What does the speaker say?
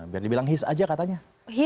biar dibilang his aja katanya